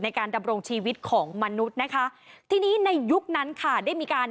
ดำรงชีวิตของมนุษย์นะคะทีนี้ในยุคนั้นค่ะได้มีการ